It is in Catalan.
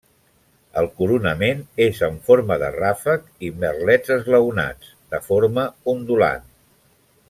El coronament és en forma de ràfec i merlets esglaonats, de forma ondulant.